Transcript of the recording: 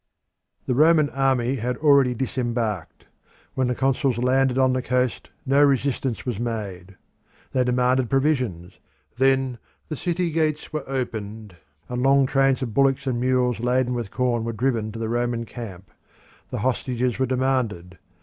The Roman army had already disembarked. When the consuls landed on the coast no resistance was made. They demanded provisions. Then the city gates were opened, and long trains of bullocks and mules laden with corn were driven to the Roman camp. The hostages were demanded.